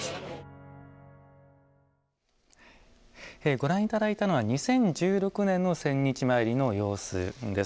ご覧いただいたのは２０１６年の千日詣りの様子です。